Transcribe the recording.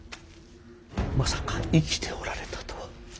まさか生きておられたとは。